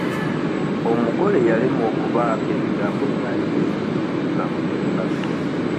Omugole yalemwa okubaako ebigambo by'ayogera ku lunaku lw'embaga.